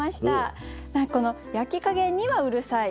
何かこの「焼き加減にはうるさい」。